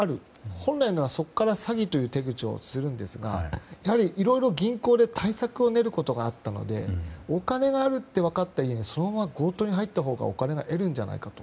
本来なら、そこから詐欺という手口をするんですがいろいろ銀行で対策を練ることがあったのでお金があると分かった家にそのまま強盗に入ったほうがいいのではないかと。